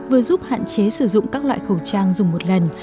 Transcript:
vừa giúp hạn chế sử dụng các loại khẩu trang dùng một lần